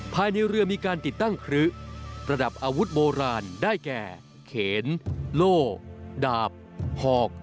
ภายในเรือมีการติดตั้งครึประดับอาวุธโบราณได้แก่เขนโล่ดาบหอก